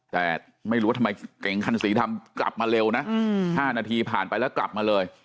แต่ไม่รู้ว่าทำไมเก่งคันสีดำกลับมาเร็วนะ๕นาทีผ่านไปแล้วกลับมาเลย